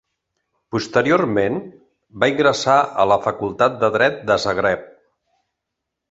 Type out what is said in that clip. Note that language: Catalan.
Posteriorment, va ingressar a la Facultat de Dret de Zagreb.